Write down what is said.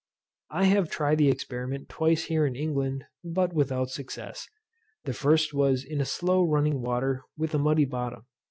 I have tried the experiment twice here in England, but without success. The first was in a slow running water with a muddy bottom.